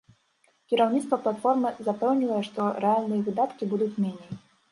Кіраўніцтва платформы запэўнівае, што рэальныя выдаткі будуць меней.